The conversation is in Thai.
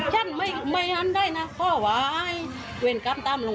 เห็นเกี่ยวให้สิ้นภูมิพูดมาความถึง